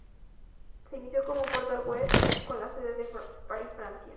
Se inició como un portal web con sede en París, Francia.